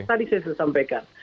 tadi saya sudah sampaikan